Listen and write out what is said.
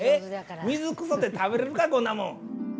水くそうて食べれるかこんなもん。